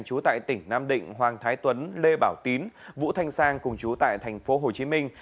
trú tại tỉnh nam định hoàng thái tuấn lê bảo tín vũ thanh sang cùng trú tại tp hồ chí minh